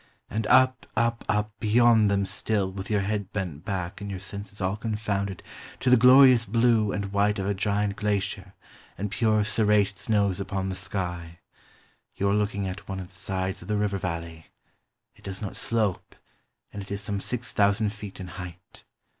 and up, up, up, beyond them still, with your head bent back and your senses all confounded, to the glorious blue and white of a giant glacier, and pure serrated snows upon the sky. You are looking at one of the sides of the river valley. It does not slope, and it is some six thousand feet in height.